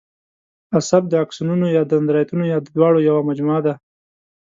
عصب د آکسونونو یا دندرایتونو یا د دواړو یوه مجموعه ده.